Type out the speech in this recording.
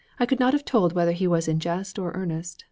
I could not have told whether he was in jest or earnest.